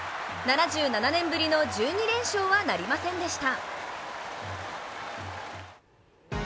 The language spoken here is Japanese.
７７年ぶりの１２連勝はなりませんでした。